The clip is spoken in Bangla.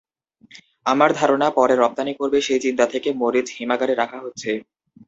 আমার ধারণা, পরে রপ্তানি করবে সেই চিন্তা থেকে মরিচ হিমাগারে রাখা হচ্ছে।